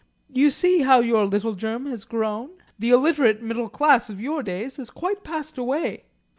You see how your little germ has grown? The illiterate middle class of your days has quite passed away."